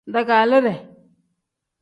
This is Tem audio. Daagaliide.